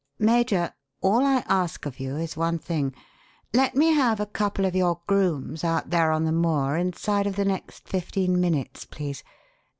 Major, all I ask of you is one thing. Let me have a couple of your grooms out there on the moor inside of the next fifteen minutes, please.